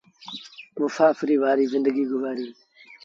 مسآڦريٚ وآريٚ زندگيٚ گزآريٚ۔